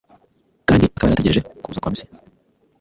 kandi akaba yari ategereje kuza kwa Mesiya,